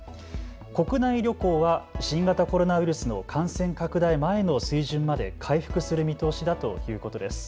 国内旅行は新型コロナウイルスの感染拡大前の水準まで回復する見通しだということです。